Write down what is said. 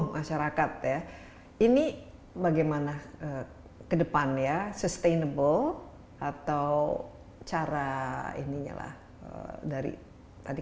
masyarakat ya ini bagaimana kedepannya sustainable atau cara ini nyala dari tadi